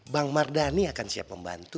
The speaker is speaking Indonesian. bang mardhani akan siap membantu